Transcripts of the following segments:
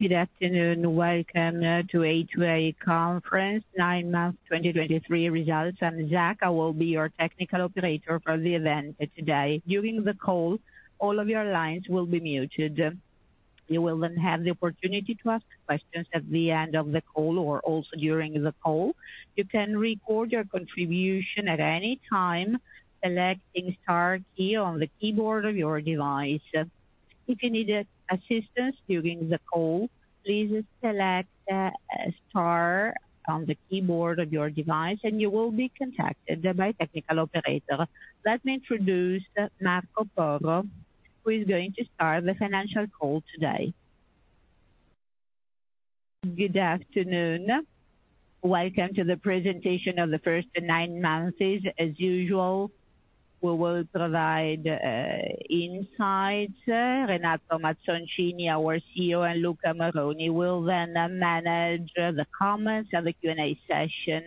Good afternoon. Welcome to A2A conference, nine-month 2023 results. I'm Jack. I will be your technical operator for the event today. During the call, all of your lines will be muted. You will then have the opportunity to ask questions at the end of the call or also during the call. You can record your contribution at any time, selecting star key on the keyboard of your device. If you need assistance during the call, please select star on the keyboard of your device, and you will be contacted by technical operator. Let me introduce Marco Porro, who is going to start the financial call today. Good afternoon. Welcome to the presentation of the first nine months. As usual, we will provide insights. Renato Mazzoncini, our CEO, and Luca Moroni will then manage the comments and the Q&A session.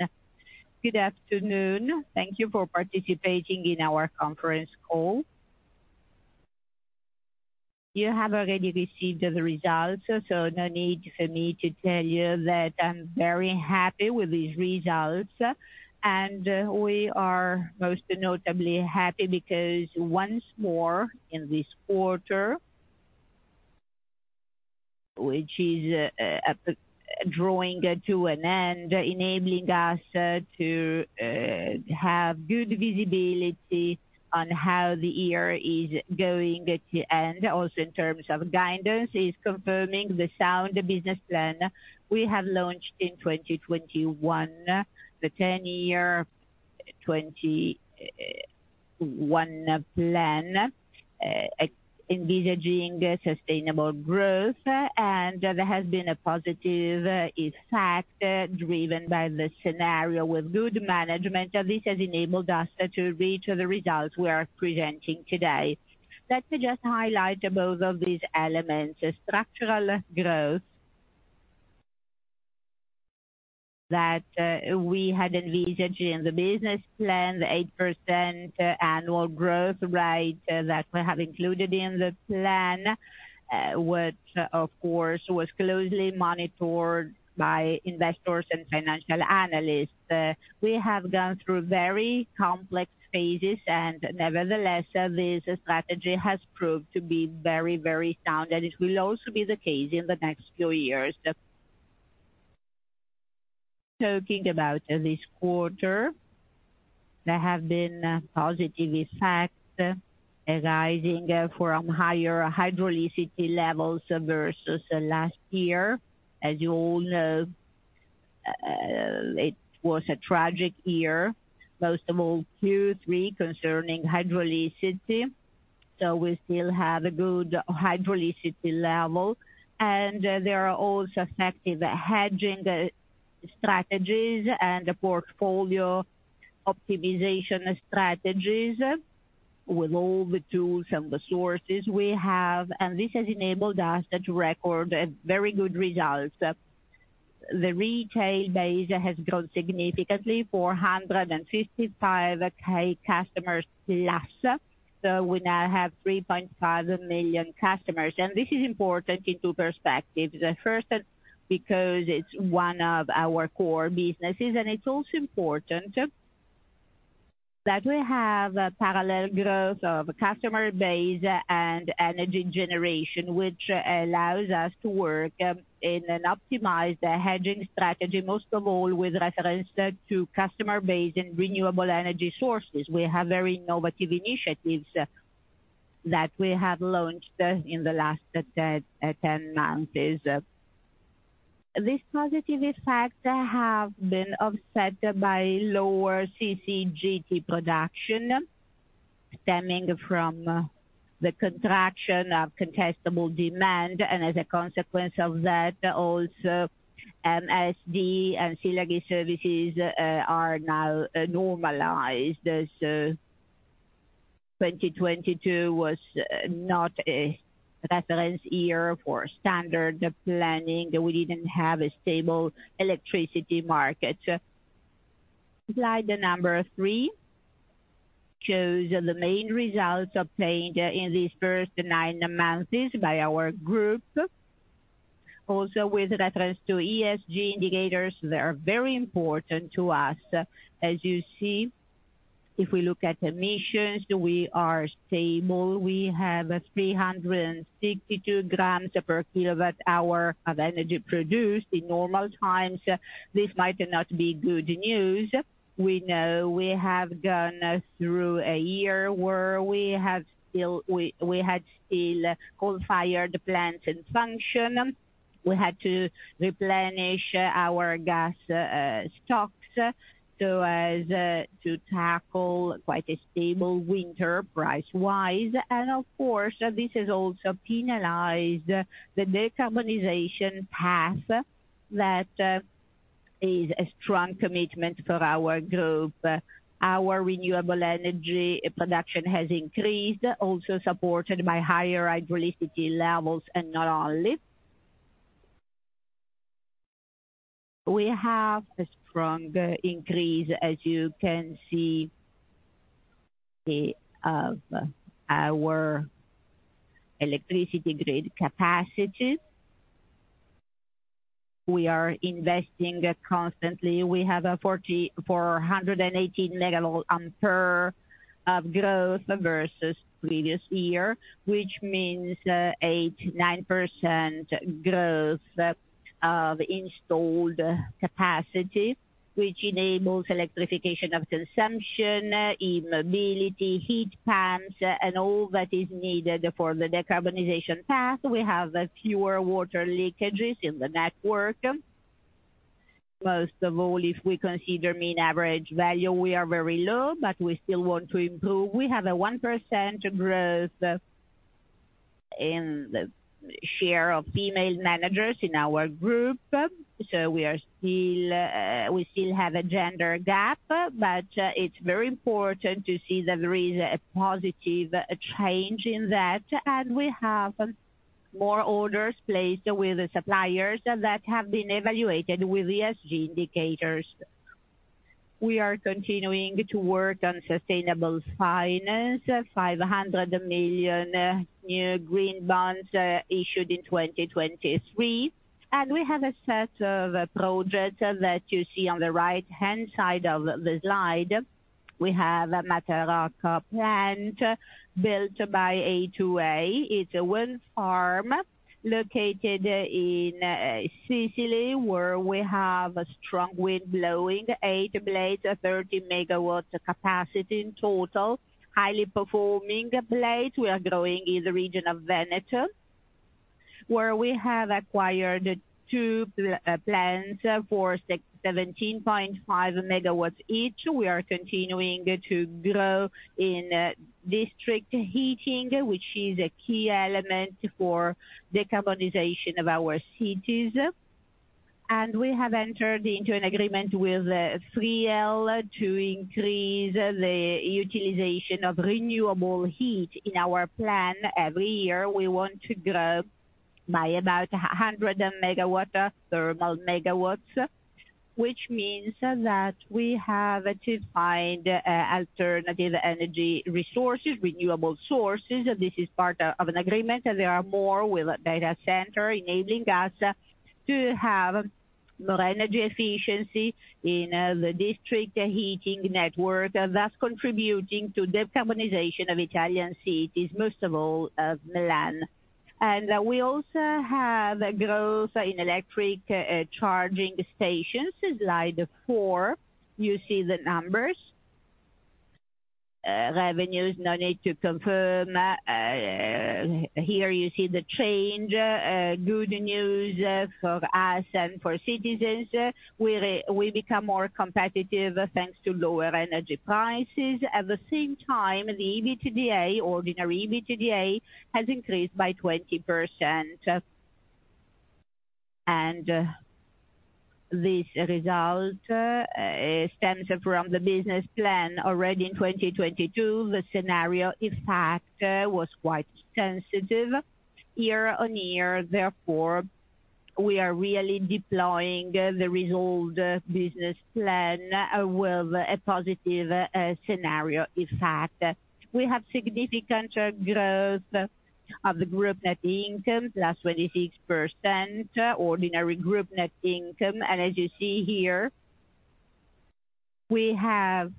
Good afternoon. Thank you for participating in our conference call. You have already received the results, so no need for me to tell you that I'm very happy with these results, and we are most notably happy because once more, in this quarter, which is drawing to an end, enabling us to have good visibility on how the year is going to end, also in terms of guidance, is confirming the sound business plan we have launched in 2021. The 10 year 2021 plan, envisaging sustainable growth, and there has been a positive effect, driven by the scenario with good management, and this has enabled us to reach the results we are presenting today. Let me just highlight both of these elements. Structural growth. That, we had envisaged in the business plan, the 8% annual growth rate that we have included in the plan, which of course, was closely monitored by investors and financial analysts. We have gone through very complex phases and nevertheless, this strategy has proved to be very, very sound, and it will also be the case in the next few years. Talking about this quarter, there have been positive effects arising from higher hydroelectricity levels versus last year. As you all know, it was a tragic year, most of all Q3, concerning hydroelectricity. So we still have a good hydroelectricity level, and there are also effective hedging strategies and portfolio optimization strategies with all the tools and the resources we have, and this has enabled us to record a very good result. The retail base has grown significantly, 455k customers plus. So we now have 3.5 million customers, and this is important in two perspectives. The first, because it's one of our core businesses, and it's also important that we have a parallel growth of customer base and energy generation, which allows us to work in an optimized hedging strategy, most of all with reference to customer base and renewable energy sources. We have very innovative initiatives that we have launched in the last 10 months. These positive effects have been offset by lower CCGT production, stemming from the contraction of contestable demand, and as a consequence of that, also MSD and ancillary services are now normalized, as 2022 was not a reference year for standard planning. We didn't have a stable electricity market. Slide number three shows the main results obtained in these first nine months by our group. Also, with reference to ESG indicators, they are very important to us. As you see, if we look at emissions, we are stable. We have 362 grams per kWh of energy produced. In normal times, this might not be good news. We know we have gone through a year where we have still. We had still coal-fired plants in function. We had to replenish our gas stocks, so as to tackle quite a stable winter price-wise. And of course, this has also penalized the decarbonization path. That is a strong commitment for our group. Our renewable energy production has increased, also supported by higher hydroelectricity levels, and not only. We have a strong increase, as you can see, of our electricity grid capacity. We are investing constantly. We have a 4,418 MW Amp of growth versus previous year, which means, 89% growth of installed capacity, which enables electrification of consumption, e-mobility, heat pumps, and all that is needed for the decarbonization path. We have fewer water leakages in the network. First of all, if we consider mean average value, we are very low, but we still want to improve. We have a 1% growth in the share of female managers in our group, so we are still, we still have a gender gap, but, it's very important to see that there is a positive change in that. And we have more orders placed with the suppliers that have been evaluated with ESG indicators. We are continuing to work on sustainable finance, 500 million green bonds issued in 2023. We have a set of projects that you see on the right-hand side of the slide. We have a Matarocco plant built by A2A. It's a wind farm located in Sicily, where we have a strong wind blowing. 8 blades, 30 MW capacity in total, highly performing blades. We are growing in the region of Veneto, where we have acquired two plants for 17.5 MW each. We are continuing to grow in district heating, which is a key element for decarbonization of our cities. We have entered into an agreement with 3L to increase the utilization of renewable heat in our plan. Every year, we want to grow by about 100 MW, thermal megawatts, which means that we have to find alternative energy resources, renewable sources. This is part of an agreement, and there are more with data center, enabling us to have more energy efficiency in, the district heating network, thus contributing to decarbonization of Italian cities, most of all, of Milan. And we also have a growth in electric, charging stations. Slide 4, you see the numbers. Revenues, no need to confirm. Here you see the change. Good news for us and for citizens. We, we become more competitive, thanks to lower energy prices. At the same time, the EBITDA, ordinary EBITDA, has increased by 20%. And this result, stems from the business plan. Already in 2022, the scenario, in fact, was quite sensitive year-on-year. Therefore, we are really deploying the resolved business plan with a positive, scenario effect. We have significant growth of the group net income, plus 26%, ordinary group net income. As you see here, we have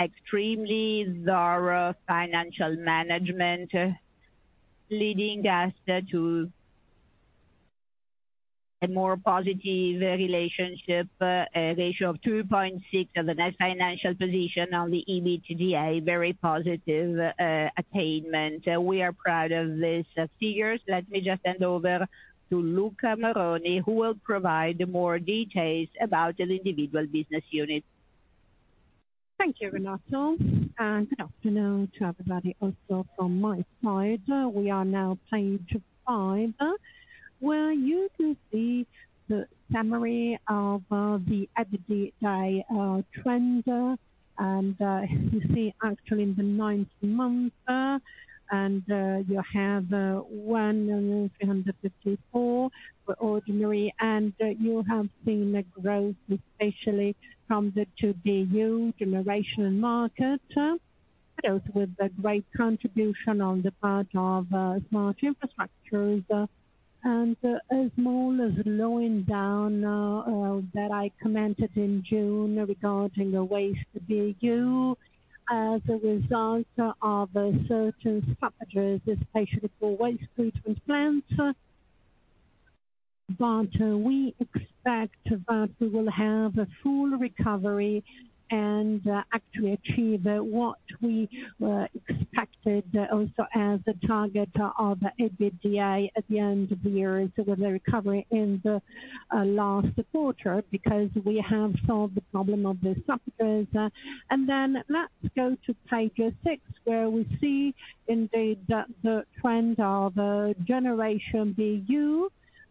extremely thorough financial management, leading us to a more positive relationship, ratio of 2.6 of the net financial position on the EBITDA. Very positive attainment. We are proud of these figures. Let me just hand over to Luca Moroni, who will provide more details about the individual business units. Thank you, Renato, and good afternoon to everybody also from my side. We are now page 5, where you can see the summary of the EBITDA trends. You see actually the ninth month, and you have 1,354 for ordinary, and you have seen a growth, especially from the two BU generation market, both with the great contribution on the part of smart infrastructures. As well as slowing down that I commented in June regarding the waste BU as a result of certain stoppages, especially for waste treatment plants. But we expect that we will have a full recovery and actually achieve what we expected also as the target of EBITDA at the end of the year. So the recovery in the last quarter, because we have solved the problem of the stoppages. And then let's go to page 6, where we see indeed the trend of generation BU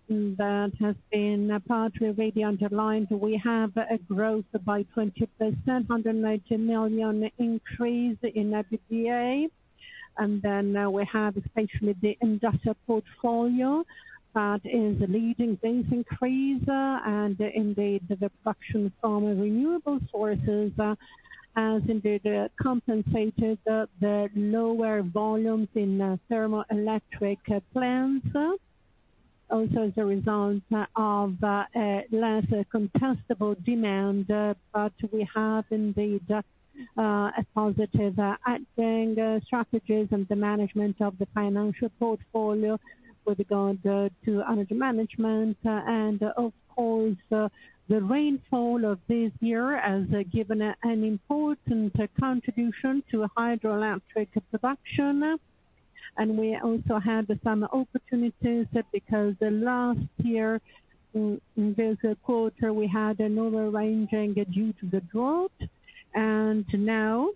that has been partly already underlined. We have a growth by 20%, 190 million increase in EBITDA. And then we have especially the industrial portfolio, that is the leading this increase, and indeed the production from renewable sources as indeed compensated the lower volumes in thermoelectric plants. Also as a result of less contestable demand, but we have indeed a positive acting strategies and the management of the financial portfolio with regard to energy management. And of course the rainfall of this year has given an important contribution to hydroelectric production. And we also had some opportunities, because last year, in this quarter, we had an overranging due to the drought. And now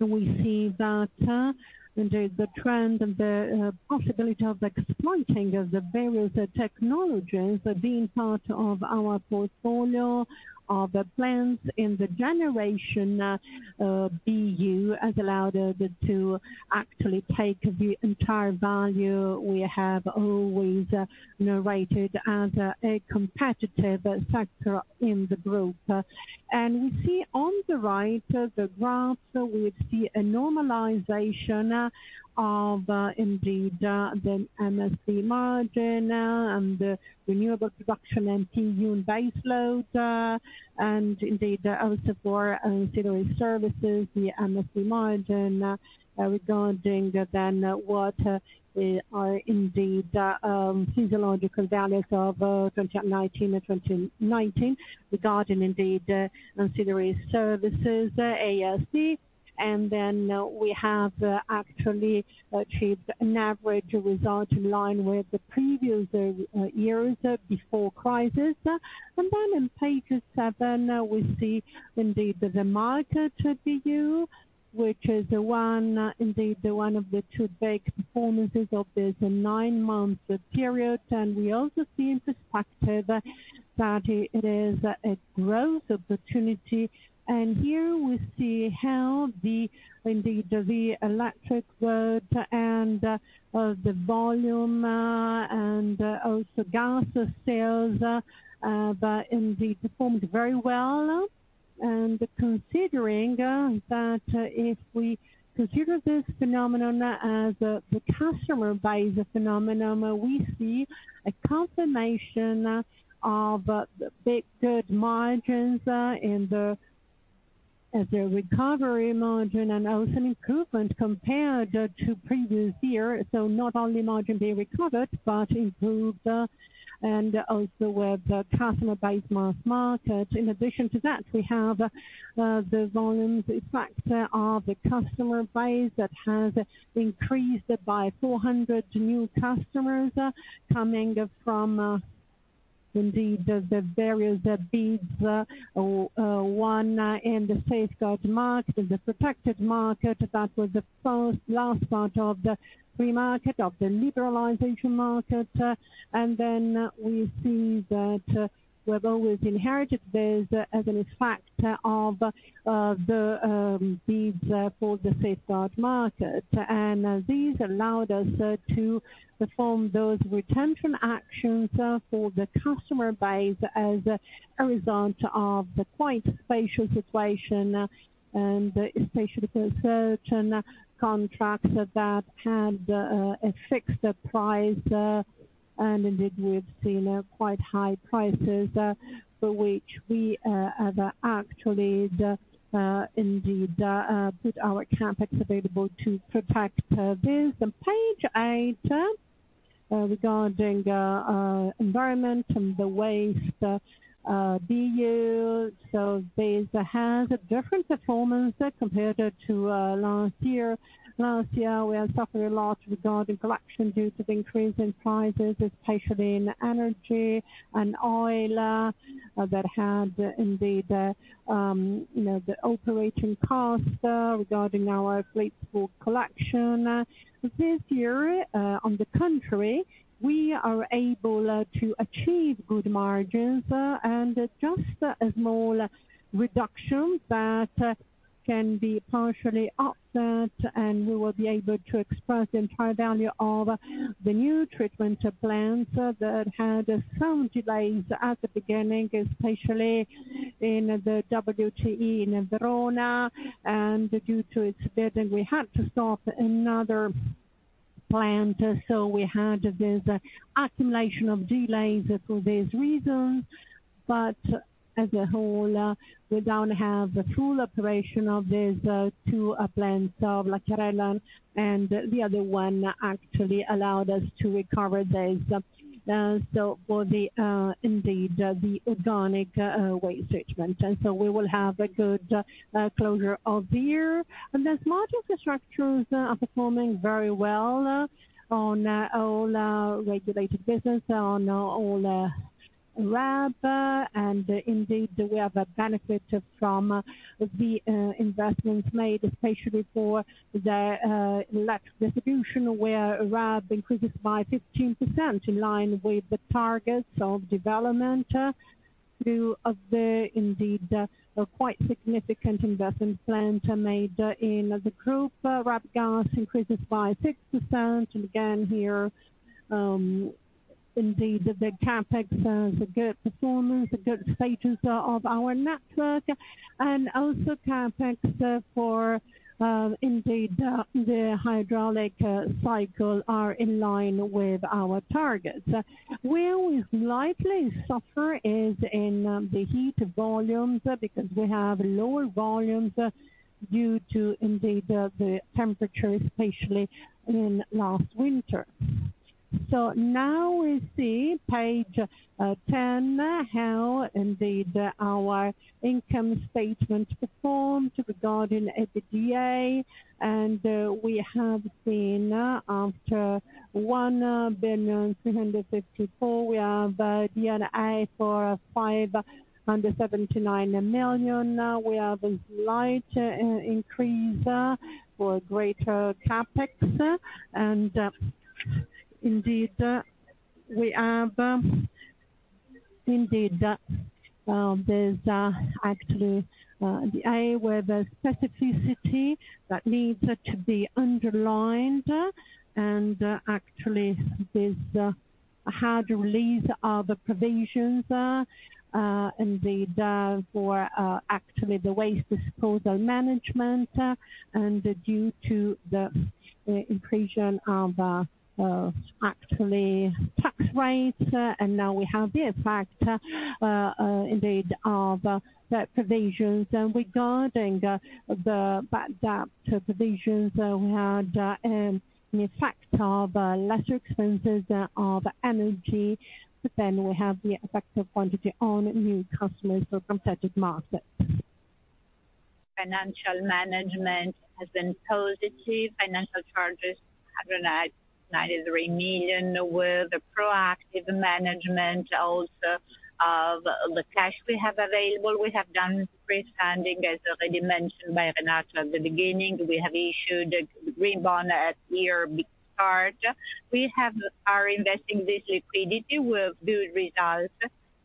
we see that, indeed, the trend and the possibility of the exploiting of the various technologies are being part of our portfolio of plants in the generation BU has allowed us to actually take the entire value we have always narrated as a competitive sector in the group. And we see on the right the graph, we see a normalization of, indeed, the MSD margin, and renewable production and PUN baseload, and indeed, also for ancillary services, the MSD margin, regarding then what are indeed physiological values of 2019 and 2019, regarding indeed ancillary services MSD. And then we have actually achieved an average result in line with the previous years before crisis. Then on page 7, we see indeed the Market BU, which is one, indeed, the one of the two big performances of this nine-month period. We also see in this factor that it is a growth opportunity. And here we see how the, indeed, the electric load and the volume and also gas sales but indeed performed very well. And considering that, if we consider this phenomenon as a customer base phenomenon, we see a confirmation of the big good margins in the recovery margin and also an improvement compared to previous year. So not only margin being recovered, but improved, and also with customer base mass market. In addition to that, we have the volume factor of the customer base that has increased by 400 new customers, coming from, indeed, the various bids, one in the Safeguard Market, in the Protected Market. That was the first, last part of the free market, of the liberalization market. And then we see that we have always inherited this as a factor of the bids for the Safeguard Market. And this allowed us to perform those retention actions for the customer base as a result of the quite special situation, and especially for certain contracts that had a fixed price, and indeed, we have seen quite high prices, for which we have actually indeed put our CapEx available to protect this. And page 8, regarding environment and the waste BU. So this has a different performance compared to last year. Last year, we had suffered a lot regarding collection due to the increase in prices, especially in energy and oil, that had indeed, you know, the operating costs regarding our fleet for collection. This year, on the contrary, we are able to achieve good margins, and just a small reduction that can be partially offset, and we will be able to express the entire value of the new treatment plants, that had some delays at the beginning, especially in the WTE in Verona, and due to its debt, and we had to stop another plant. So we had this accumulation of delays for this reason, but as a whole, we don't have the full operation of this two plants of Lacchiarella, and the other one actually allowed us to recover this. So for the, indeed, the organic waste treatment, and so we will have a good closure of the year. The smart infrastructures are performing very well on all regulated business, on all RAB, and indeed, we have benefited from the investments made, especially for the electric distribution, where RAB increases by 15%, in line with the targets of development, to the indeed, a quite significant investment plans are made in the group. RAB gas increases by 6%, and again here, indeed, the CapEx has a good performance, a good status of our network, and also CapEx for indeed, the hydraulic cycle are in line with our targets. Where we likely suffer is in the heat volumes, because we have lower volumes due to indeed, the temperature, especially in last winter. So now we see page 10, how indeed our income statement performed regarding EBITDA, and we have seen after 1,354 million, we have the EBIT for 579 million. We have a slight increase for greater CapEx. And indeed we have indeed there's actually the area where there's specificity that needs to be underlined, and actually there's the release of other provisions indeed for actually the waste management, and due to the increase of actually tax rates. And now we have the effect indeed of the provisions. And regarding the bad debt provisions, we had the effect of lesser expenses of energy, but then we have the effect of quantity on new customers for competitive markets. Financial management has been positive. Financial charges, 193 million, with a proactive management also of the cash we have available. We have done pre-funding, as already mentioned by Renato at the beginning, we have issued a green bond at year start. We have our investing this liquidity will good results,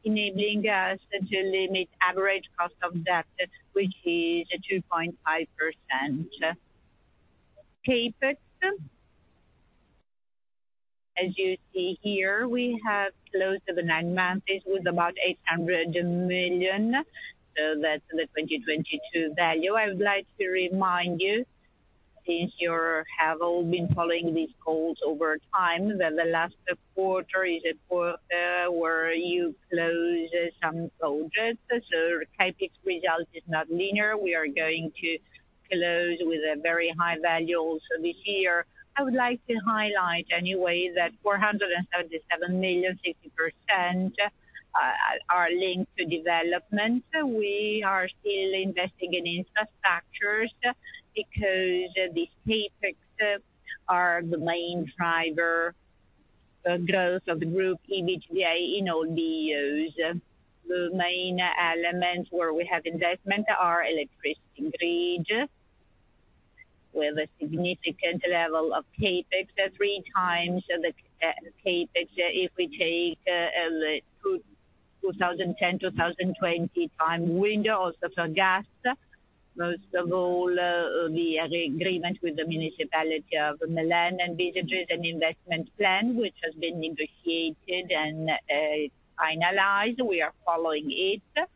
enabling us to limit average cost of debt, which is 2.5%. CapEx, as you see here, we have close to the nine months is with about 800 million, so that's the 2022 value. I would like to remind you, since you have all been following these calls over time, that the last quarter is a quarter, where you close some projects, so CapEx result is not linear. We are going to close with a very high value also this year. I would like to highlight anyway, that 477 million, 60%, are linked to development. We are still investing in infrastructures, because these CapEx are the main driver, growth of the group, EBITDA, in all the years. The main elements where we have investment are electricity grid, with a significant level of CapEx, three times the CapEx, if we take the 2010 to 2020 time window, also for gas. Most of all, the agreement with the municipality of Milan and Brescia and investment plan, which has been negotiated and finalized, we are following it.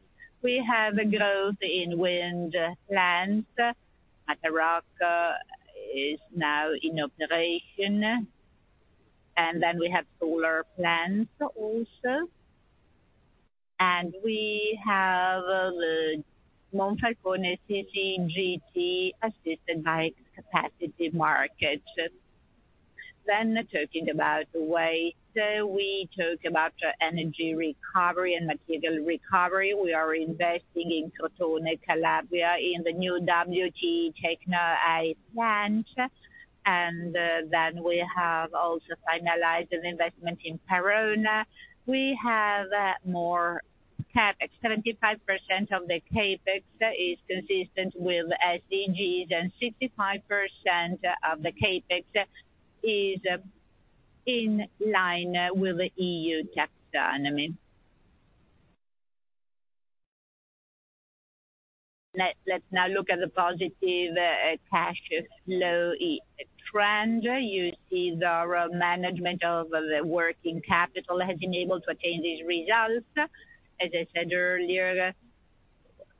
We have a growth in wind plants, Matarocco is now in operation, and then we have solar plants also. And we have the Monfalcone CCGT, assisted by capacity markets. Then talking about the way, so we talk about energy recovery and material recovery. We are investing in Crotone, Calabria, in the new WTE TecnoA plant. And then we have also finalized an investment in Verona. We have more CapEx. 75% of the CapEx is consistent with SDGs, and 65% of the CapEx is in line with the EU taxonomy. Let's now look at the positive cash flow trend. You see, the management of the working capital has been able to attain these results. As I said earlier,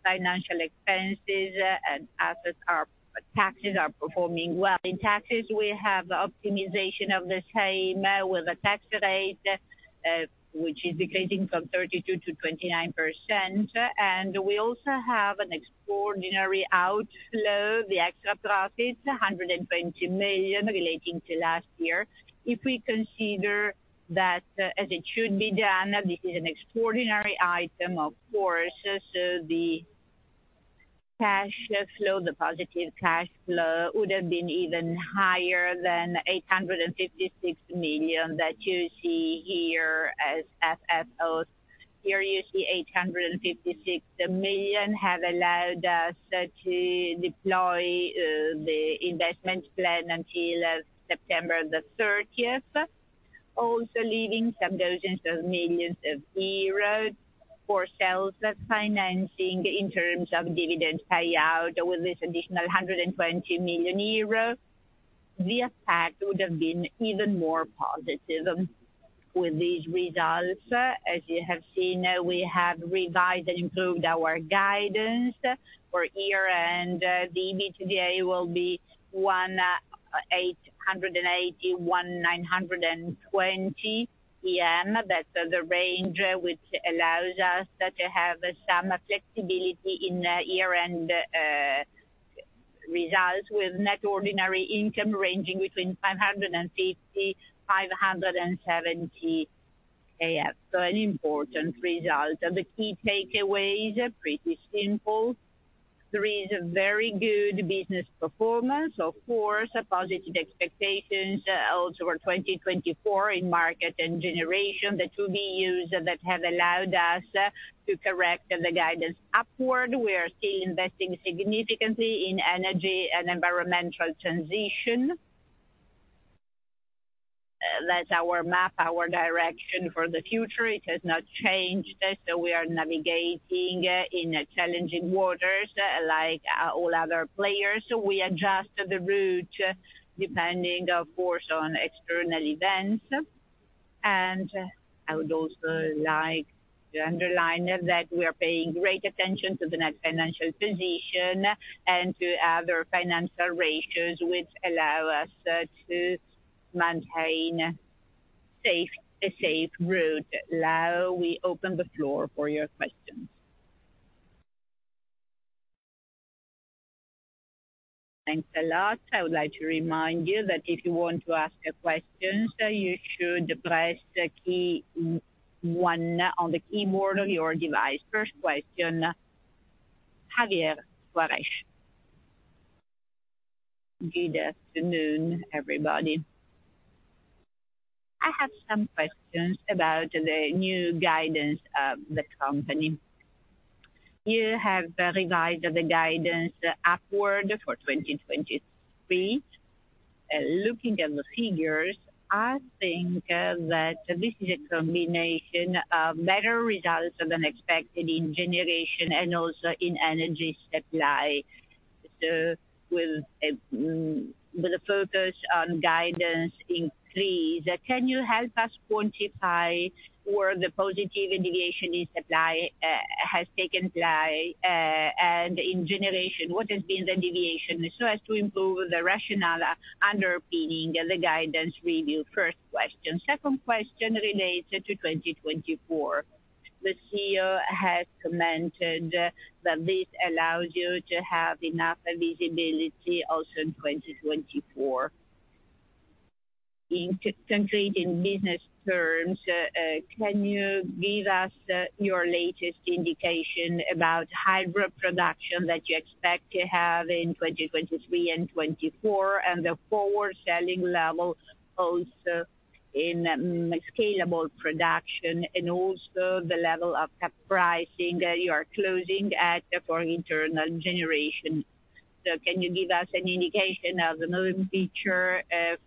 financial expenses and assets, taxes are performing well. In taxes, we have optimization of the same, with a tax rate which is decreasing from 32%-29%. And we also have an extraordinary outflow, the extra profit, 120 million relating to last year. If we consider that, as it should be done, this is an extraordinary item, of course, so the cash flow, the positive cash flow, would have been even higher than 856 million that you see here as FFO. Here you see 856 million have allowed us to deploy the investment plan until September the thirtieth, also leaving some dozens of millions of EUR for sales financing in terms of dividend payout with this additional 120 million euro, the effect would have been even more positive. With these results, as you have seen, we have revised and improved our guidance for year, and the EBITDA will be 1,880 million-1,920 million. That's the range which allows us to have some flexibility in year-end results, with net ordinary income ranging between 550 and 570 AF. So an important result, and the key takeaways are pretty simple. There is a very good business performance, of course, positive expectations also for 2024 in market and generation, the two BUs that have allowed us to correct the guidance upward. We are still investing significantly in energy and environmental transition. That's our map, our direction for the future. It has not changed. So we are navigating in challenging waters, like all other players. So we adjust the route, depending, of course, on external events. And I would also like to underline that we are paying great attention to the net financial position and to other financial ratios, which allow us to maintain a safe route. Now, we open the floor for your questions. Thanks a lot. I would like to remind you that if you want to ask a question, you should press one on the keyboard of your device. First question, Javier Suarez. Good afternoon, everybody. I have some questions about the new guidance of the company. You have revised the guidance upward for 2023. Looking at the figures, I think that this is a combination of better results than expected in generation and also in energy supply. So with a focus on guidance increase, can you help us quantify where the positive deviation in supply has taken place, and in generation, what has been the deviation, so as to improve the rationale underpinning the guidance review? First question. Second question related to 2024. The CEO has commented that this allows you to have enough visibility also in 2024. In concrete, in business terms, can you give us your latest indication about hydro production that you expect to have in 2023 and 2024, and the forward selling level also in scalable production, and also the level of cap pricing that you are closing at for internal generation? So can you give us an indication of the volume feature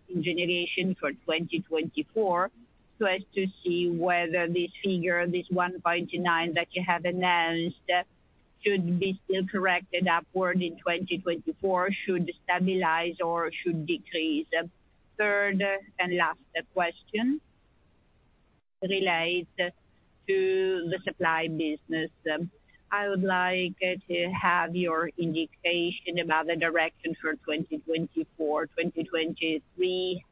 in generation for 2024, so as to see whether this figure, this 1.9, that you have announced, should be still corrected upward in 2024, should stabilize or should decrease? Third and last question relates to the supply business. I would like to have your indication about the direction for 2024. 2023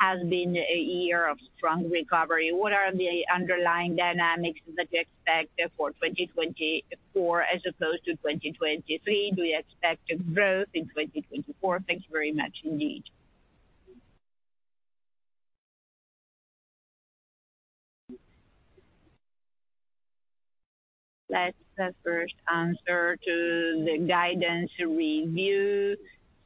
has been a year of strong recovery. What are the underlying dynamics that you expect for 2024 as opposed to 2023? Do you expect a growth in 2024? Thank you very much indeed. Let's first answer to the guidance review.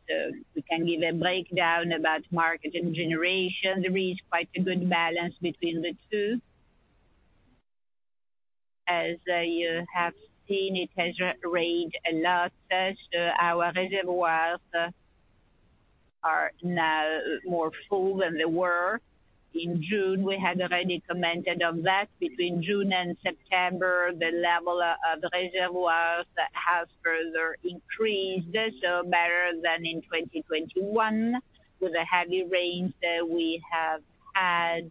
So we can give a breakdown about market and generation. There is quite a good balance between the two. As you have seen, it has rained a lot, so our reservoirs are now more full than they were. In June, we had already commented on that. Between June and September, the level of reservoirs has further increased, so better than in 2021, with a heavy rain that we have had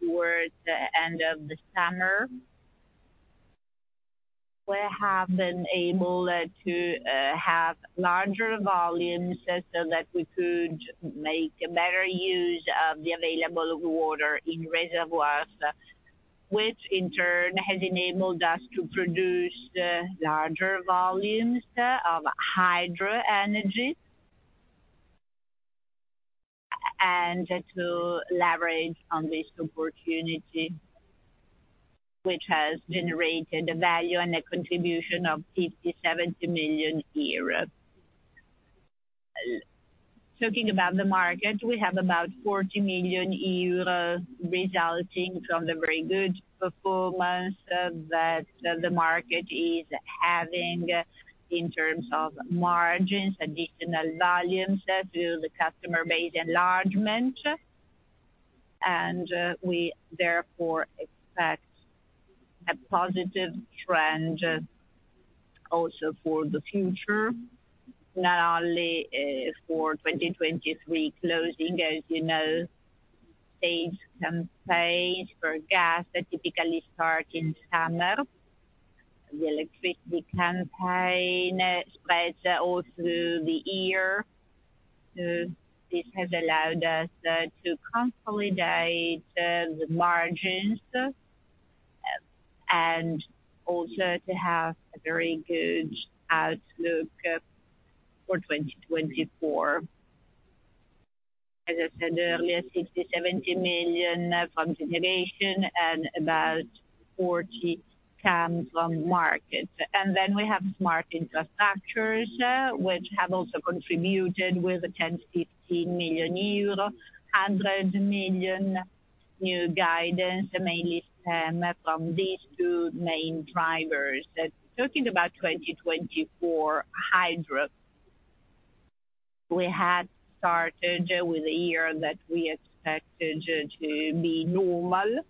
towards the end of the summer. We have been able to have larger volumes so that we could make better use of the available water in reservoirs, which in turn has enabled us to produce larger volumes of hydro energy. To leverage on this opportunity, which has generated a value and a contribution of 57 million euro. Talking about the market, we have about 40 million euro resulting from the very good performance, that the market is having in terms of margins, additional volumes due to the customer base enlargement. We therefore expect a positive trend also for the future, not only, for 2023 closing. As you know, sales campaigns for gas that typically start in summer. The electricity campaign spreads all through the year. So this has allowed us to consolidate the margins, and also to have a very good outlook for 2024. As I said earlier, 60 million-70 million from innovation and about 40 million come from markets. And then we have smart infrastructures, which have also contributed with 10 million-15 million euros, 100 million new guidance, mainly stem from these two main drivers. Talking about 2024 hydro, we had started with a year that we expected to be normal.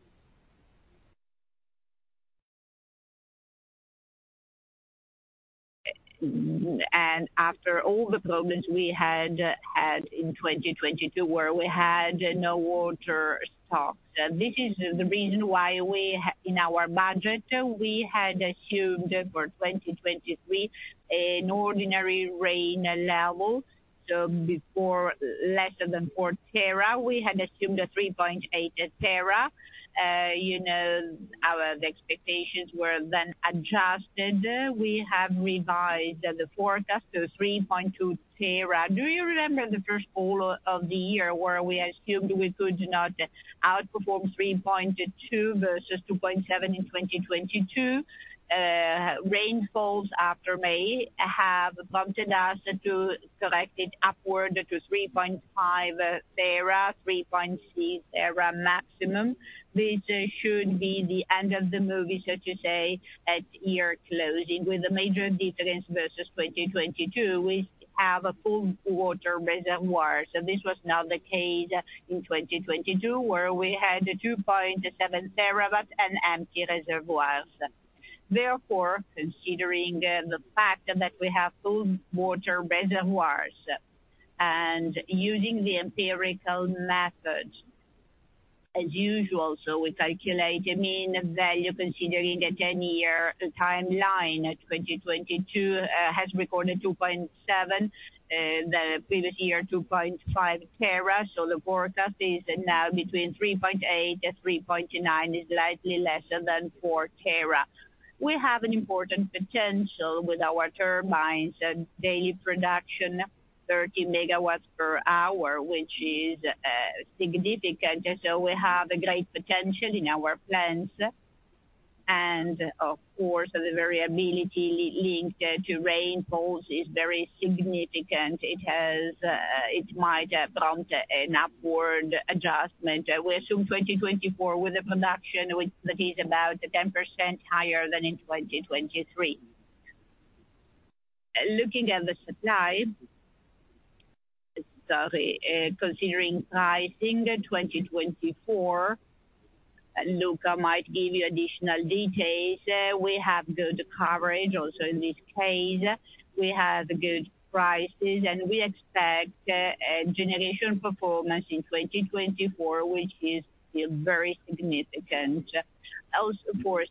And after all the problems we had had in 2022, where we had no water stock. This is the reason why we had in our budget, we had assumed for 2023, an ordinary rain level, so before less than 4 tera, we had assumed a 3.8 tera. You know, our expectations were then adjusted. We have revised the forecast to 3.2 tera. Do you remember the first quarter of the year, where we assumed we could not outperform 3.2 versus 2.7 in 2022? Rainfalls after May have prompted us to correct it upward to 3.5 TWh, 3.6 TWh maximum, which should be the end of the movie, so to say, at year closing. With a major difference versus 2022, we have a full water reservoir. So this was not the case in 2022, where we had 2.7 TWh and empty reservoirs. Therefore, considering the fact that we have full water reservoirs and using the empirical method as usual, so we calculate the mean value, considering the 10-year timeline, 2022 has recorded 2.7, the previous year, 2.5 TWh. So the forecast is now between 3.8 and 3.9 TWh, is slightly less than 4 TWh. We have an important potential with our turbines and daily production, 30 MW per hour, which is significant. So we have a great potential in our plants. And of course, the variability linked to rainfalls is very significant. It has, it might prompt an upward adjustment. We assume 2024 with a production, which that is about 10% higher than in 2023. Looking at the supply, sorry, considering pricing in 2024, Luca might give you additional details. We have good coverage also in this case. We have good prices, and we expect a generation performance in 2024, which is still very significant. Also, for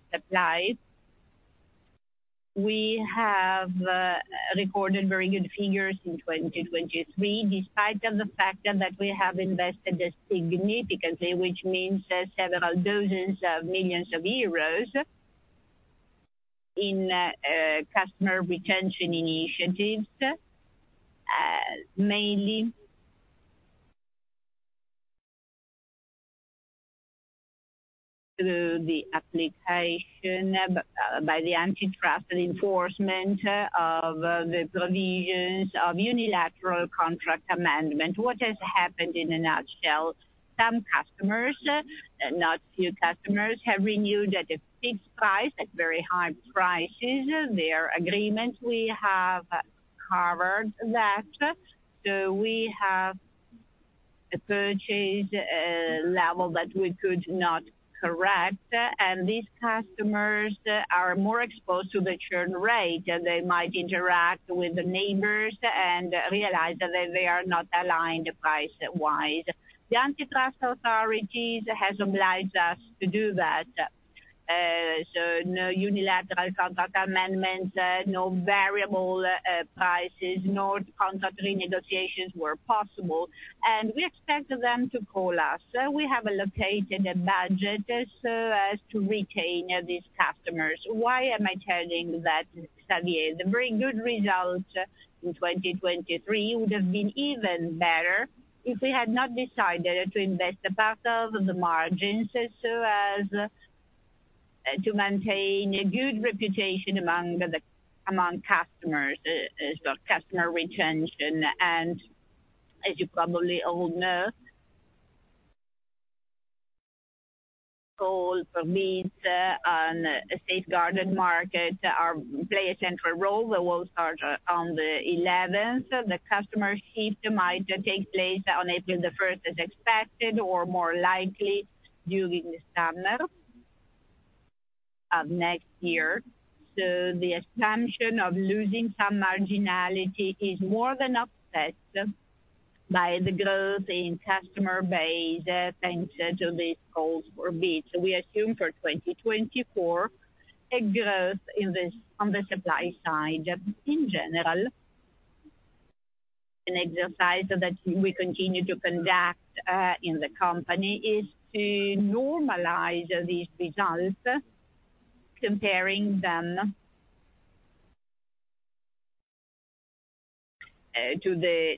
supply, we have recorded very good figures in 2023, despite the fact that we have invested significantly, which means several dozen million EUR, in customer retention initiatives, mainly through the application by the Antitrust enforcement of the provisions of unilateral contract amendment. What has happened in a nutshell, some customers, not few customers, have renewed at a fixed price, at very high prices, their agreement, we have covered that. So we have a purchase level that we could not correct, and these customers are more exposed to the churn rate, and they might interact with the neighbors and realize that they are not aligned price-wise. The Antitrust authorities has obliged us to do that. So no unilateral contract amendments, no variable prices, no contract renegotiations were possible, and we expect them to call us. So we have allocated a budget so as to retain these customers. Why am I telling that, Javier? The very good results in 2023 would have been even better if we had not decided to invest a part of the margins so as to maintain a good reputation among the, among customers, so customer retention. And as you probably all know. Calls for bids on a Safeguarded Market are play a central role. They will start on the eleventh. The customer shift might take place on April the first, as expected, or more likely during the summer of next year. So the assumption of losing some marginality is more than offset by the growth in customer base and set of these calls or bids. We assume for 2024, a growth in the, on the supply side in general, an exercise that we continue to conduct, in the company, is to normalize these results, comparing them, to the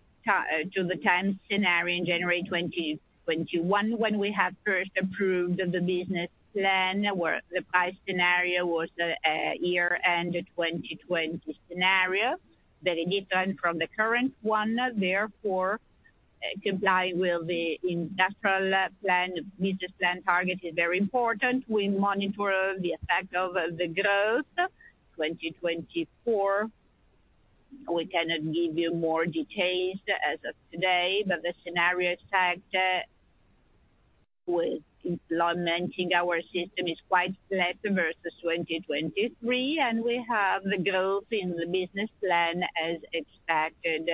time scenario in January 2021, when we have first approved the business plan, where the price scenario was the, year-end 2020 scenario. Very different from the current one, therefore, comply with the industrial plan. Business plan target is very important. We monitor the effect of the growth, 2024. We cannot give you more details as of today, but the scenario effect with implementing our system is quite flat versus 2023, and we have the growth in the business plan as expected.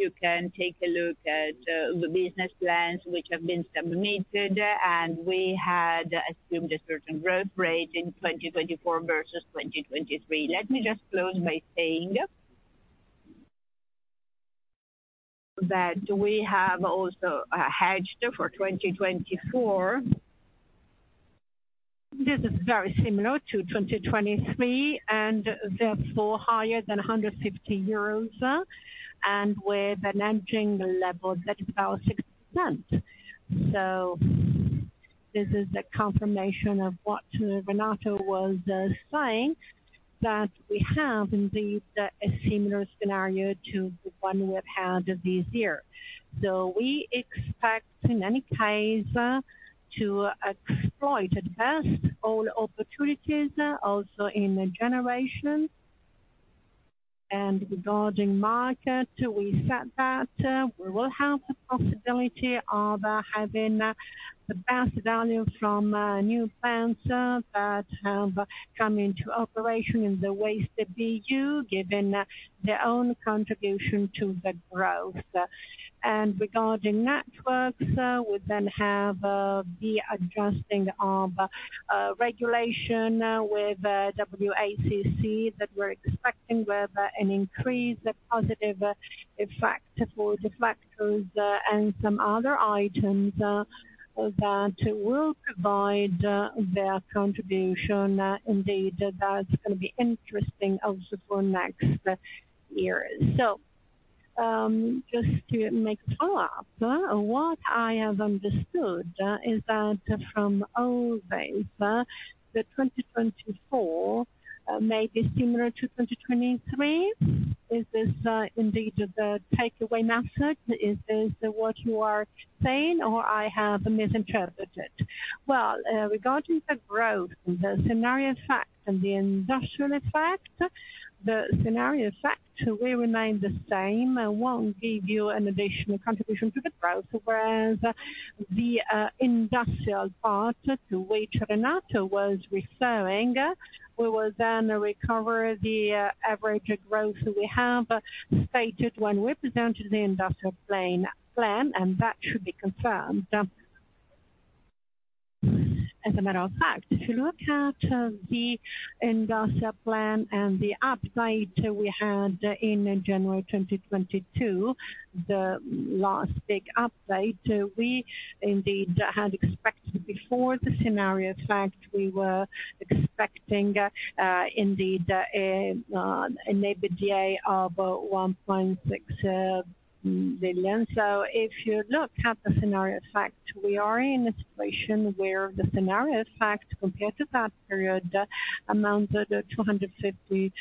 You can take a look at, the business plans which have been submitted, and we had assumed a certain growth rate in 2024 versus 2023. Let me just close by saying, that we have also, hedged for 2024. This is very similar to 2023 and therefore higher than 150 euros, and with an hedging level, 36%. So this is a confirmation of what Renato was saying, that we have indeed, a similar scenario to the one we have had this year. So we expect, in any case, to exploit at best all opportunities, also in the generation and regarding market. We said that we will have the possibility of having the best value from new plants that have come into operation in the waste BU, giving their own contribution to the growth. And regarding networks, we then have the adjusting of regulation with WACC that we're expecting with an increased positive effect for the factors and some other items that will provide their contribution. Indeed, that's going to be interesting also for next years. So, just to make follow-up, what I have understood is that from always, the 2024, may be similar to 2023. Is this indeed the takeaway message? Is this what you are saying, or I have misinterpreted? Well, regarding the growth, the scenario effect and the industrial effect, the scenario effect will remain the same, won't give you an additional contribution to the growth. Whereas the industrial part, to which Renato was referring, we will then recover the average growth we have stated when we presented the industrial plan, and that should be confirmed. As a matter of fact, if you look at the industrial plan and the update we had in January 2022, the last big update, we indeed had expected before the scenario effect, we were expecting, indeed, an EBITDA of 1.6 billion. So if you look at the scenario effect, we are in a situation where the scenario effect, compared to that period, amounts to about 250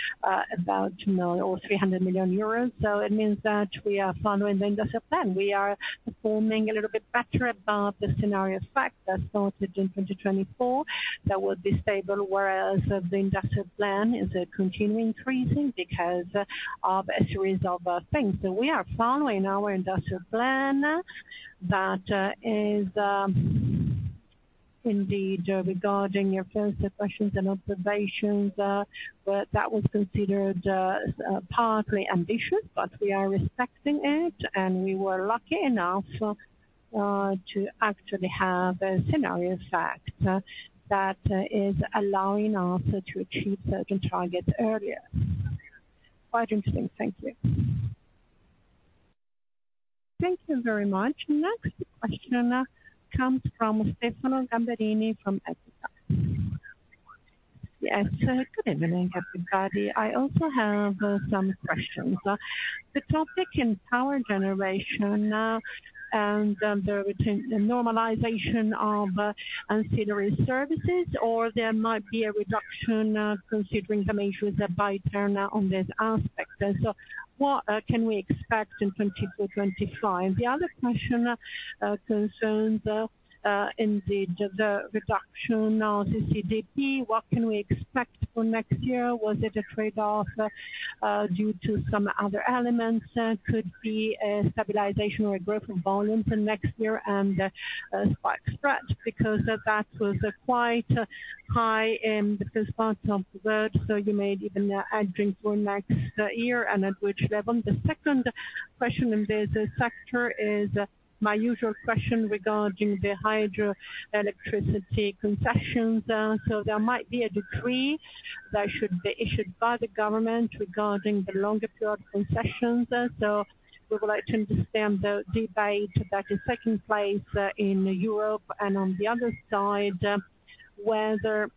million or 300 million euros. So it means that we are following the industrial plan. We are performing a little bit better about the scenario effect that started in 2024, that will be stable, whereas the industrial plan is continuing increasing because of a series of things. So we are following our industrial plan. That is indeed regarding your first questions and observations, but that was considered partly ambitious, but we are respecting it, and we were lucky enough to actually have a scenario effect that is allowing us to achieve certain targets earlier. Quite interesting. Thank you. Thank you very much. Next question comes from Stefano Gamberini from Equita. Yes, good evening, everybody. I also have some questions. The topic in power generation now and the return, the normalization of ancillary services, or there might be a reduction considering the measures that by turn on this aspect. So what can we expect in 2025? The other question concerns indeed the reduction of CCGT. What can we expect for next year? Was it a trade-off due to some other elements? Could be a stabilization or a growth in volume for next year and a spike stretch, because that was quite high in the first part of the world, so you may even add in for next year and at which level? The second question in this sector is my usual question regarding the hydroelectricity concessions. So there might be a decree that should be issued by the government regarding the longer period concessions. So we would like to understand the debate that is taking place in Europe and on the other side, whether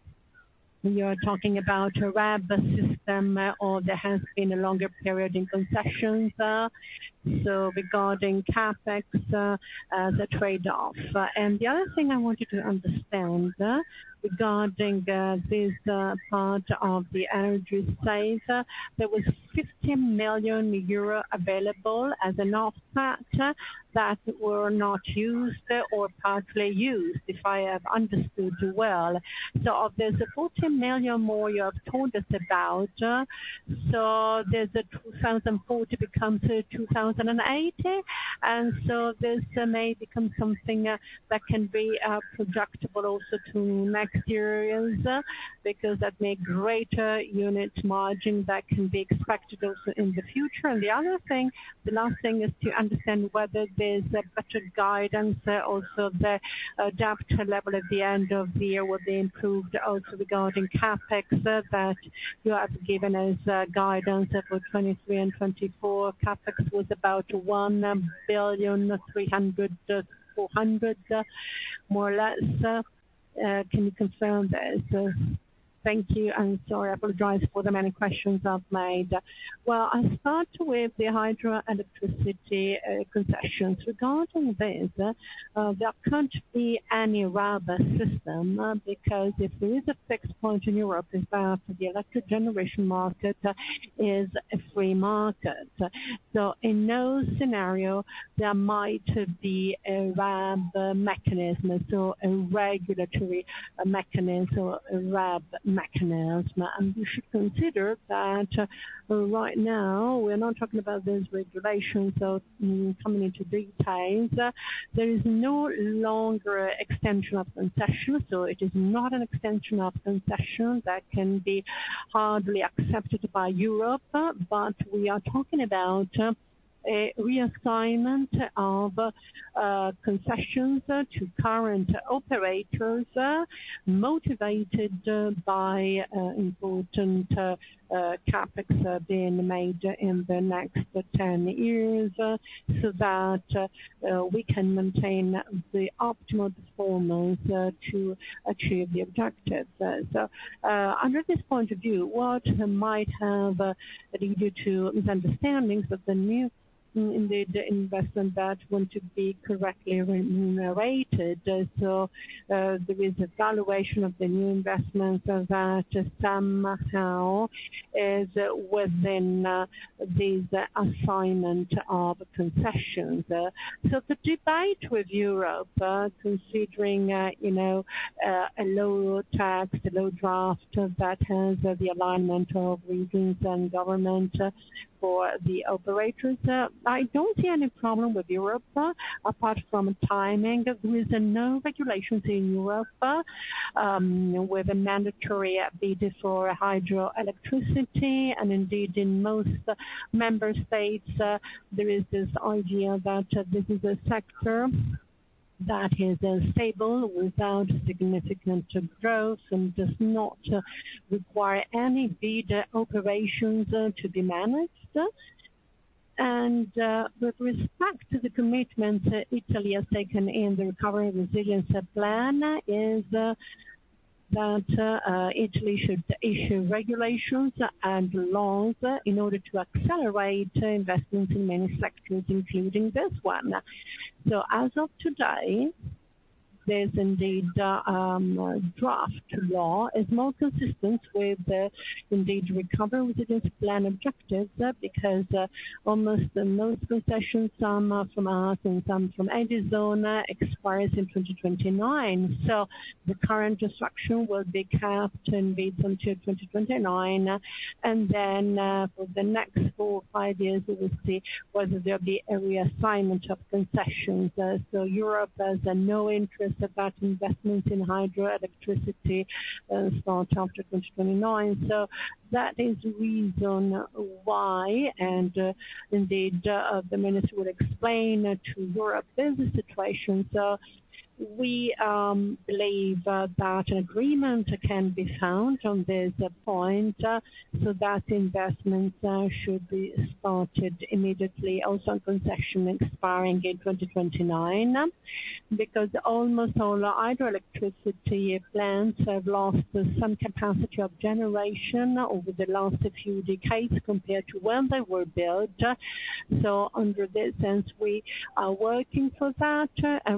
we are talking about a RAB system or there has been a longer period in concessions. So regarding CapEx as a trade-off. And the other thing I want you to understand, regarding this part of the energy side, there was 50 million euro available as an offset that were not used or partly used, if I have understood well. So there's a 14 million more you have told us about, so 2,040 becomes 2,080, and so this may become something that can be projectable also to next years, because that make greater unit margin that can be expected also in the future. The other thing, the last thing is to understand whether there's a better guidance, also the debt level at the end of the year will be improved. Also, regarding CapEx, that you have given us guidance that for 2023 and 2024, CapEx was about 1.3 billion-1.4 billion, more or less. Can you confirm this? Thank you, and sorry, I apologize for the many questions I've made. Well, I'll start with the hydroelectricity concessions. Regarding this, there can't be any RAB system, because if there is a fixed point in Europe, is that the electric generation market is a free market. So in no scenario there might be a RAB mechanism, so a regulatory mechanism or a RAB mechanism. You should consider that right now, we're not talking about this regulation, so coming into details, there is no longer extension of concessions, so it is not an extension of concessions that can be hardly accepted by Europe. But we are talking about reassignment of concessions to current operators motivated by important CapEx being made in the next 10 years, so that we can maintain the optimal performance to achieve the objectives. So under this point of view, what might have leading due to misunderstandings of the new, indeed, investment that want to be correctly remunerated. So there is a valuation of the new investments that somehow is within this assignment of concessions. So the debate with Europe, considering, you know, a low tax, a low draft, that has the alignment of regions and government for the operators. I don't see any problem with Europe, apart from timing. There is no regulations in Europe, with a mandatory bid for hydroelectricity, and indeed, in most member states, there is this idea that this is a sector that is stable, without significant growth and does not require any bidder operations to be managed. And, with respect to the commitment Italy has taken in the Recovery and Resilience Plan, is that, Italy should issue regulations and laws in order to accelerate investments in many sectors, including this one. So as of today, there's indeed, a draft law is more consistent with the, indeed, Recovery and Resilience Plan objectives, because, almost most concessions, some are from us and some from Edison expires in 2029. So the current disruption will be capped in between to 2029, and then, for the next four or five years, we will see. whether there'll be a reassignment of concessions. So Europe has no interest about investment in hydroelectricity, so up to 2029. So that is the reason why, and, indeed, the minister would explain to Europe, there's a situation. So we, believe that an agreement can be found on this point, so that investment, should be started immediately. Also, concession expiring in 2029, because almost all hydroelectricity plants have lost some capacity of generation over the last few decades compared to when they were built. So under this sense, we are working for that.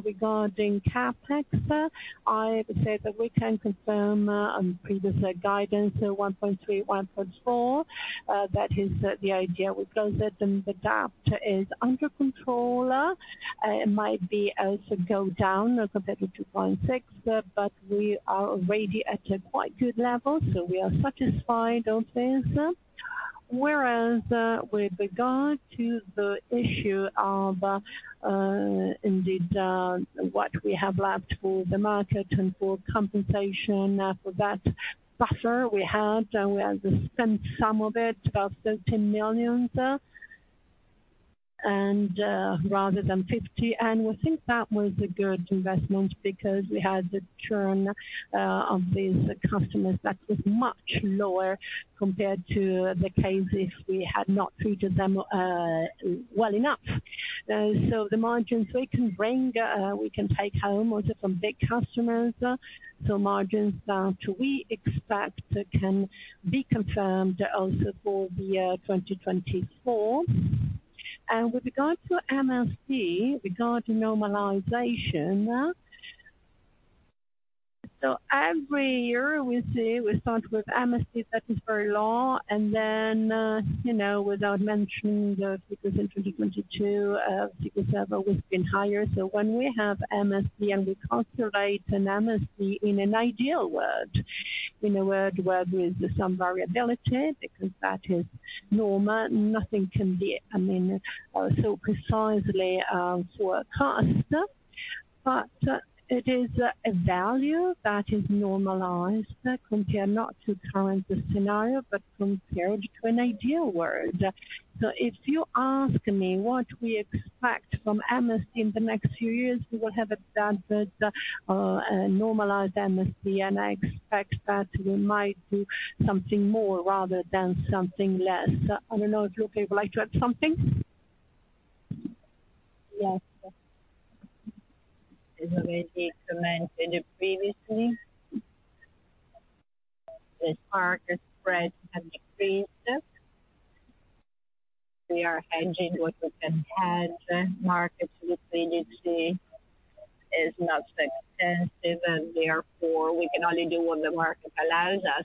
Regarding CapEx, I have said that we can confirm, on previous guidance, 1.3-1.4, that is the idea. We close it, and the gap is under control. It might be also go down compared to 2.6, but we are already at a quite good level, so we are satisfied of this. Whereas, with regard to the issue of, indeed, what we have left for the market and for compensation, for that buffer we had, and we have spent some of it, about 13 million, and, rather than 50 million. And we think that was a good investment because we had the churn of these customers that was much lower compared to the case if we had not treated them well enough. So the margins we can bring, we can take home also from big customers. So margins that we expect can be confirmed also for the year 2024. And with regards to MSD, regarding normalization, so every year we see, we start with MSD that is very low, and then, you know, without mentioning, because in 2022, because have always been higher. So when we have MSD and we calculate an MSD in an ideal world, in a world where there is some variability, because that is normal, nothing can be, I mean, so precisely forecast. But it is a value that is normalized compared not to current scenario, but compared to an ideal world. So if you ask me what we expect from MSD in the next few years, we will have a standard, normalized MSD and I expect that we might do something more rather than something less. I don't know if Luca would like to add something? Yes. As we commented previously, this market spread have decreased. We are hedging what we can hedge. Market liquidity is not expensive, and therefore, we can only do what the market allows us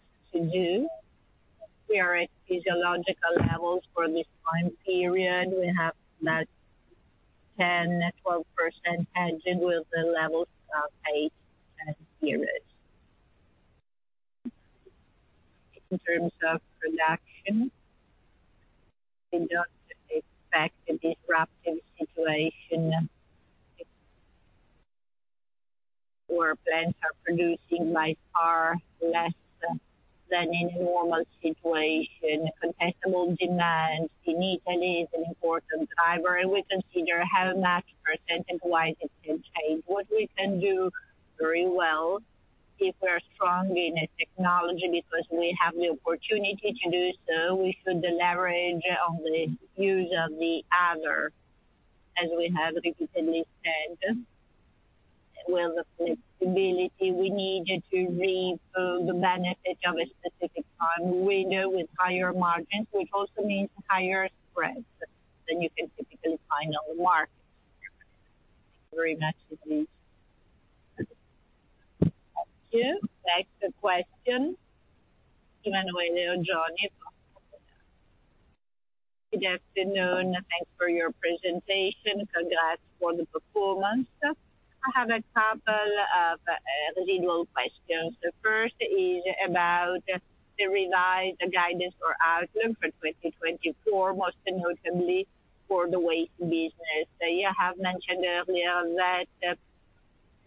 the revised guidance for outlook for 2024, most notably for the waste business. You have mentioned earlier that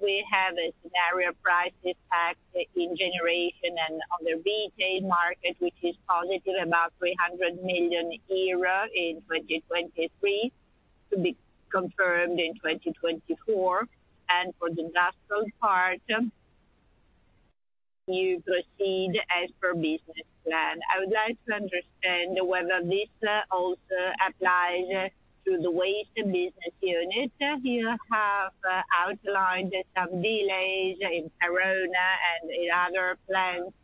we have a scenario price impact in generation and on the MSD market, which is positive, about 300 million euro in 2023, to be confirmed in 2024. And for the gas core part, you proceed as per business plan. I would like to understand whether this also applies to the waste business unit. You have outlined some delays in Crotone and in other plants.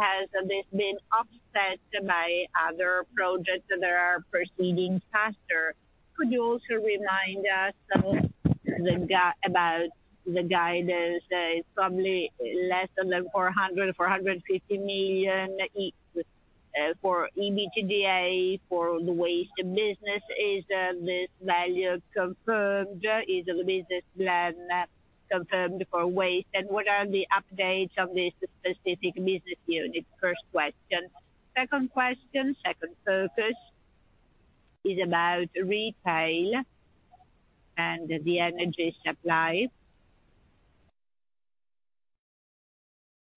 Has this been offset by other projects that are proceeding faster? Could you also remind us about the guidance? It's probably less than 400 million-450 million for EBITDA, for the waste business. Is this value confirmed? Is the business plan confirmed for waste? And what are the updates of this specific business unit? First question. Second question, second focus is about retail and the energy supply.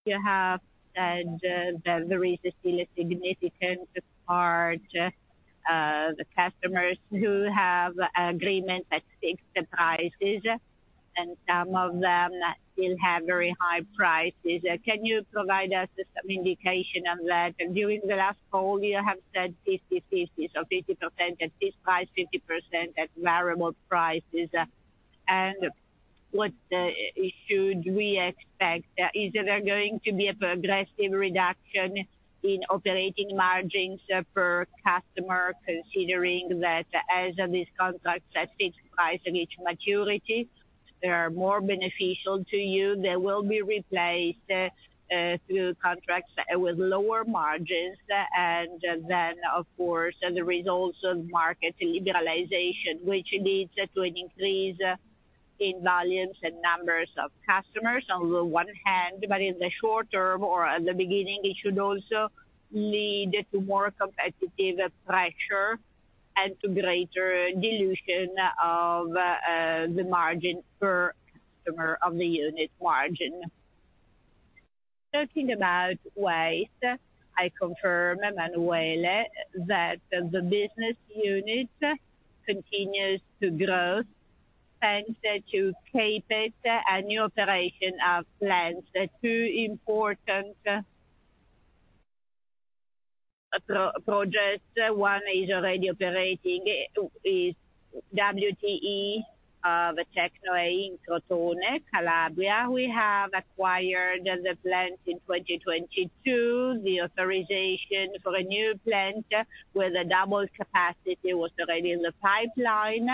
You have the, there is still a significant part, the customers who have agreement that fix the prices, and some of them still have very high prices. Can you provide us some indication on that? During the last call, you have said 50/50, so 50% at fixed price, 50% at variable prices. And what should we expect? Is there going to be a progressive reduction in operating margins for customer, considering that as of this contract, that fixed price reach maturity, they are more beneficial to you, they will be replaced through contracts with lower margins. Then, of course, the results of market liberalization, which leads to an increase in volumes and numbers of customers on the one hand, but in the short term or at the beginning, it should also lead to more competitive pressure and to greater dilution of the margin per customer of the unit margin. Talking about waste, I confirm, Emanuele, that the business unit continues to grow, thanks to CapEx and new operation of plants. 2 important projects, one is already operating, it is WTE, the TecnoA in Crotone, Calabria. We have acquired the plant in 2022. The authorization for a new plant with a double capacity was already in the pipeline.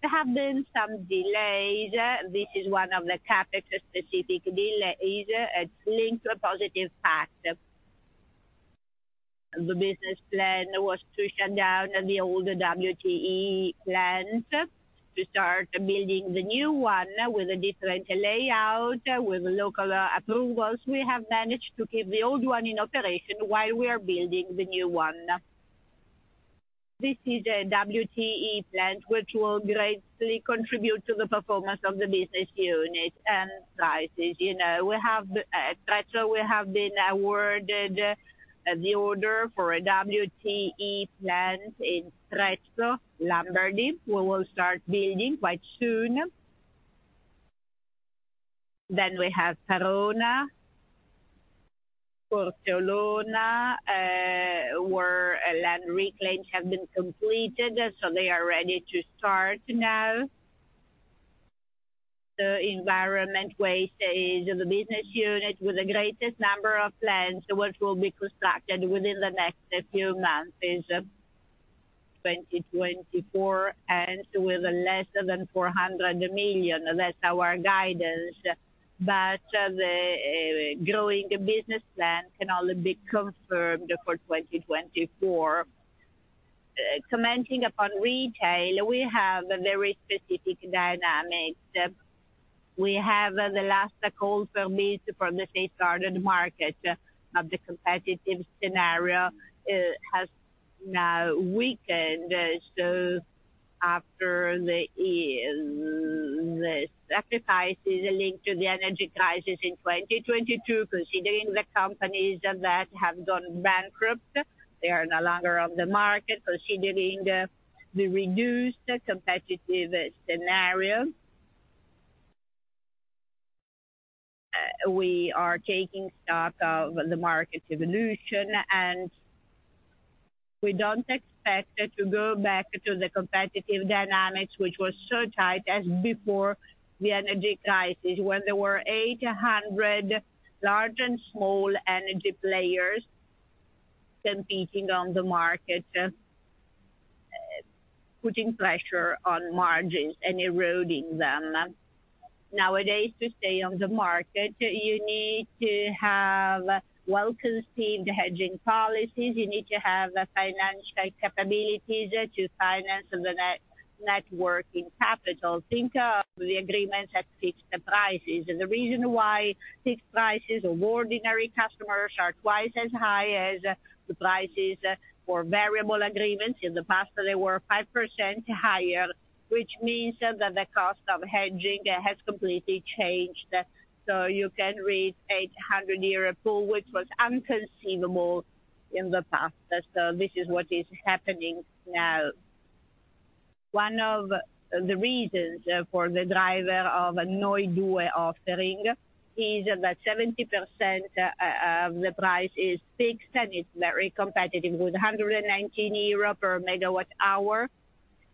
There have been some delays. This is one of the CapEx-specific delays linked to a positive fact. The business plan was to shut down the older WTE plant, to start building the new one with a different layout, with local approvals. We have managed to keep the old one in operation while we are building the new one. This is a WTE plant which will greatly contribute to the performance of the business unit and prices. You know, we have at Trescore, we have been awarded the order for a WTE plant in Trescore, Lombardy. We will start building quite soon. Then we have Verona, Corteolona, where a land reclamation has been completed, so they are ready to start now. The environment waste is the business unit with the greatest number of plants, which will be constructed within the next few months, is 2024, and with less than 400 million. That's our guidance. But the growing business plan can only be confirmed for 2024. Commenting upon retail, we have a very specific dynamic. We have the last call for me from the free started market of the competitive scenario has now weakened. So after the sacrifices linked to the energy crisis in 2022, considering the companies that have gone bankrupt, they are no longer on the market, considering the reduced competitive scenario. We are taking stock of the market evolution, and we don't expect it to go back to the competitive dynamics, which was so tight as before the energy crisis, when there were 800 large and small energy players competing on the market, putting pressure on margins and eroding them. Nowadays, to stay on the market, you need to have well-conceived hedging policies. You need to have financial capabilities to finance the net working capital. Think of the agreements that fix the prices. The reason why fixed prices for ordinary customers are twice as high as the prices for variable agreements, in the past, they were 5% higher, which means that the cost of hedging has completely changed. You can reach 800 EUR pool, which was inconceivable in the past. This is what is happening now. One of the reasons for the driver of Noi2 offering is that 70% of the price is fixed, and it's very competitive. With 119 euro per MWh,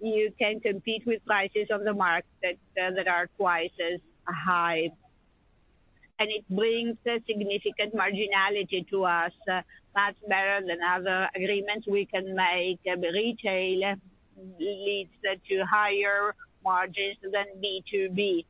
you can compete with prices on the market that are twice as high. And it brings a significant marginality to us, much better than other agreements we can make. Retail leads to higher margins than B2B.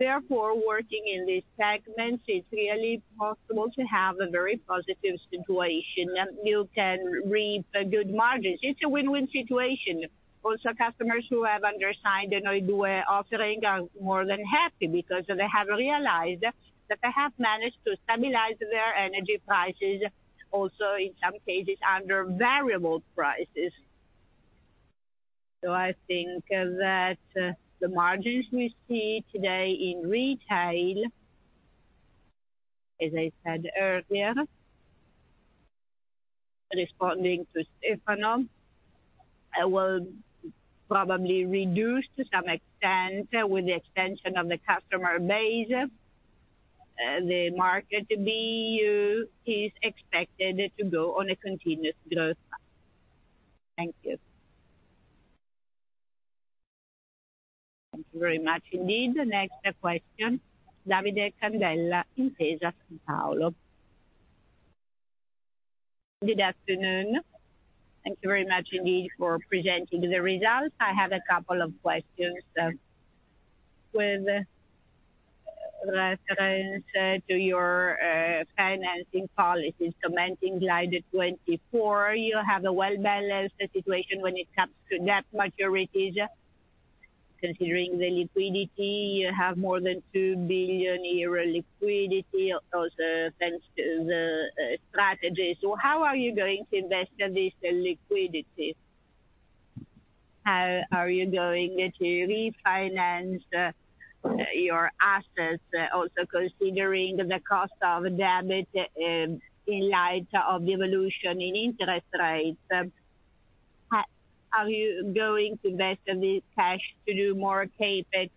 Therefore, working in this segment, it's really possible to have a very positive situation, and you can read a good margin. It's a win-win situation. Also, customers who have undersigned the Noi2 offering are more than happy because they have realized that they have managed to stabilize their energy prices, also in some cases, under variable prices. So I think that, the margins we see today in retail, as I said earlier, responding to Stefano, will probably reduce to some extent with the expansion of the customer base. The market to be, is expected to go on a continuous growth path. Thank you. Thank you very much indeed. Next question, Davide Candela, Intesa Sanpaolo. Good afternoon. Thank you very much indeed for presenting the results. I have a couple of questions. With reference to your financing policy, commenting Slide 24, you have a well-balanced situation when it comes to debt maturities. Considering the liquidity, you have more than 2 billion euro liquidity, also thanks to the strategy. So how are you going to invest this liquidity? How are you going to refinance your assets, also considering the cost of debt in light of the evolution in interest rates? How are you going to invest the cash to do more CapEx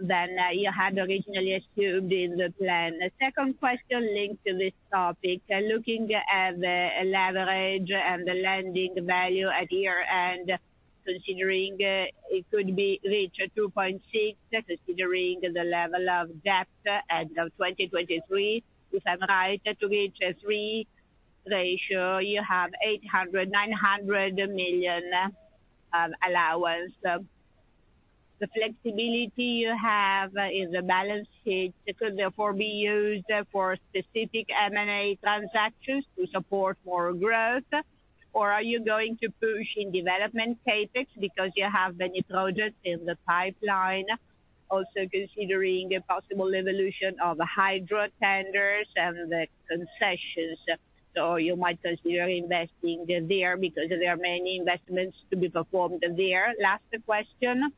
than you had originally assumed in the plan? The second question linked to this topic, looking at the leverage and the lending value at year-end, considering it could be reached at 2.6, considering the level of debt as of 2023. If I'm right, to reach a 3 ratio, you have 800 million-900 million of allowance. The flexibility you have in the balance sheet could therefore be used for specific M&A transactions to support more growth, or are you going to push in development CapEx because you have many projects in the pipeline? Also considering a possible evolution of the hydro tenders and the concessions, so you might consider investing there because there are many investments to be performed there. Last question,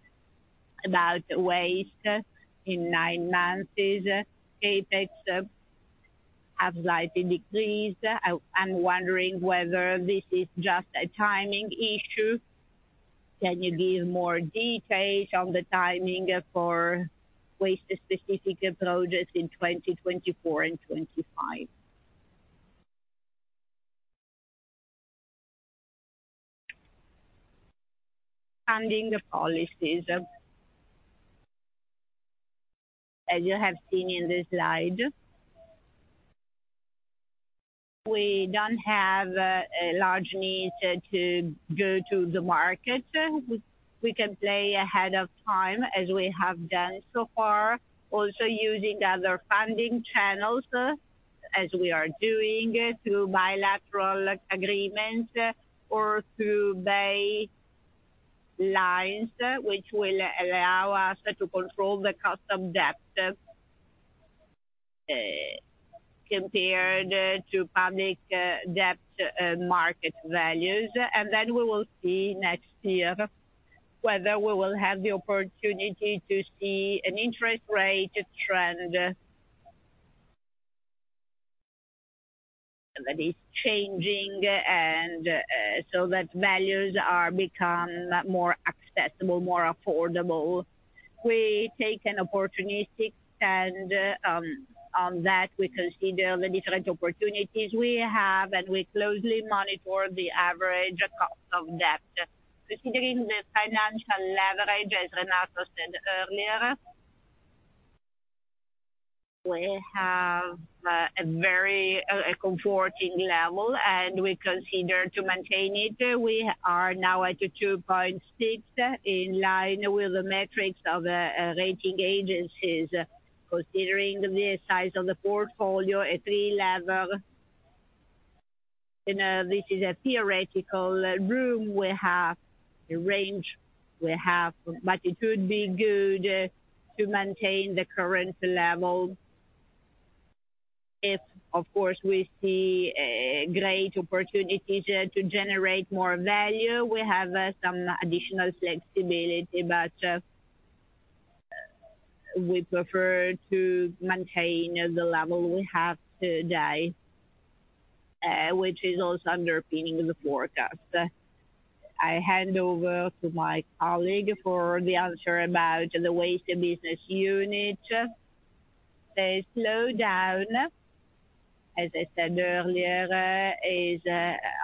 about waste. In nine months, these CapEx have slightly decreased. I, I'm wondering whether this is just a timing issue. Can you give more details on the timing for waste-specific projects in 2024 and 2025? Funding the policies. As you have seen in this slide, we don't have a large need to go to the market. We, we can play ahead of time, as we have done so far, also using other funding channels, as we are doing through bilateral agreements or through buy lines, which will allow us to control the cost of debt, compared to public debt market values. And then we will see next year whether we will have the opportunity to see an interest rate trend that is changing, and so that values are become more accessible, more affordable. We take an opportunistic stand on that. We consider the different opportunities we have, and we closely monitor the average cost of debt. Considering the financial leverage, as Renato said earlier, we have a very comforting level, and we consider to maintain it. We are now at a 2.6, in line with the metrics of rating agencies. Considering the size of the portfolio, a 3 level, you know, this is a theoretical room we have, the range we have, but it would be good to maintain the current level. If, of course, we see a great opportunity to generate more value, we have some additional flexibility, but we prefer to maintain the level we have today, which is also underpinning the forecast. I hand over to my colleague for the answer about the waste business unit. The slowdown, as I said earlier, is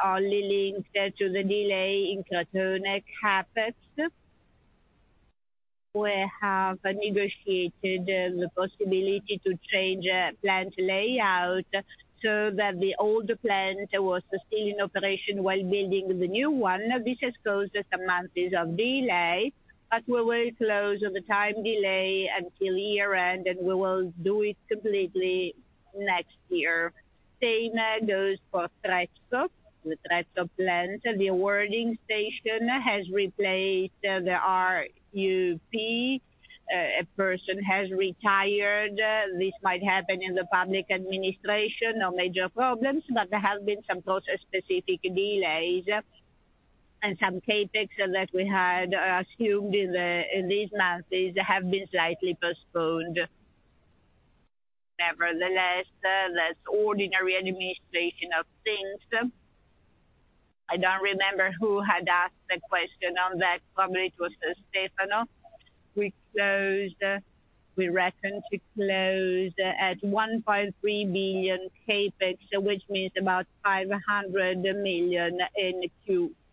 only linked to the delay in Crotone CapEx. We have negotiated the possibility to change a plant layout so that the old plant was still in operation while building the new one. This has caused some months of delay, but we will close the time delay until year-end, and we will do it completely next year. Same goes for Trezzo. The Trezzo plant, the awarding station has replaced the RUP. A person has retired. This might happen in the public administration, no major problems, but there have been some process-specific delays, and some CapEx that we had assumed in the, in these months have been slightly postponed. Nevertheless, that's ordinary administration of things. I don't remember who had asked the question on that. Probably it was Stefano. We reckon to close at 1.3 billion CapEx, which means about 500 million in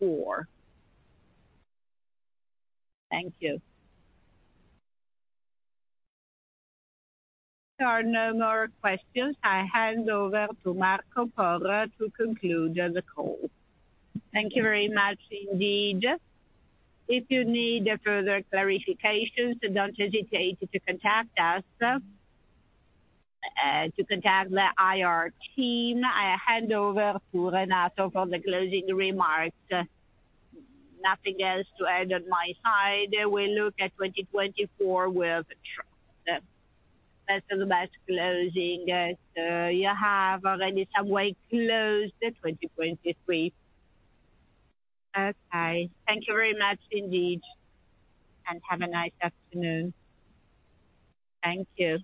Q4. Thank you. There are no more questions. I hand over to Marco Porro to conclude the call. Thank you very much indeed. If you need further clarifications, don't hesitate to contact us to contact the IR team. I hand over to Renato for the closing remarks. Nothing else to add on my side. We look at 2024 with the best of the best closing, you have already some way close to 2023. Okay. Thank you very much indeed, and have a nice afternoon. Thank you.